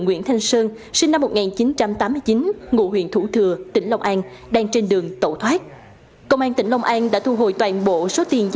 nguyễn thanh sơn sinh năm một nghìn chín trăm tám mươi chín ngụ huyện thủ thừa tỉnh lòng an đang trên đường tẩu thoát